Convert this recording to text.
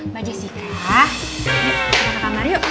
mbak jessica yuk kita ke kamar yuk